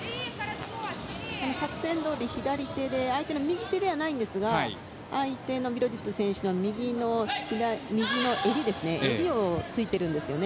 作戦どおり左手で相手の右ではないんですが相手の選手の右襟をついているんですね。